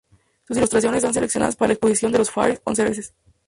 Sus ilustraciones han seleccionadas para la exposición de los ""Fair`s"" once veces.